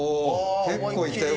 結構いったよ。